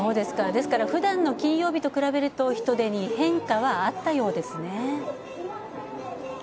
ですから、ふだんの金曜日と比べると人出に変化はあったようですね。